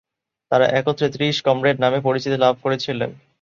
তাঁরা একত্রে "তিরিশ কমরেড" নামে পরিচিতি লাভ করেছিলেন।